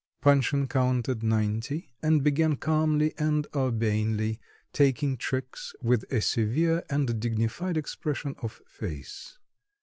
Panshin counted ninety, and began calmly and urbanely taking tricks with a severe and dignified expression of face.